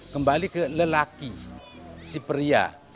kembali ke lelaki si pria